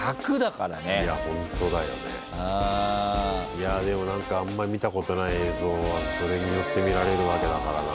いやでも何かあんまり見たことない映像がそれによって見られるわけだからな。